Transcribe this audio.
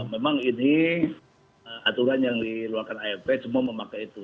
memang ini aturan yang diluarkan aff semua memakai itu